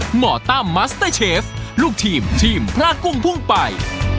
หมอตั้มมัสเตอร์เชฟลูกทีมทีมพลากุ้งพุ่งไป